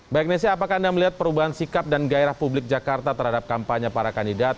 baik nesya apakah anda melihat perubahan sikap dan gairah publik jakarta terhadap kampanye para kandidat